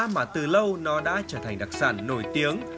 mà từ lâu nó đã trở thành đặc sản nổi tiếng